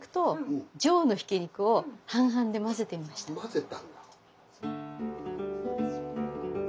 混ぜたんだ。